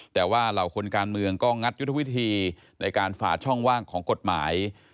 แต่ว่าเหล่าคนการเมืองก็งัดยุทธวิธีในการฝ่าช่องว่างของกฎหมาย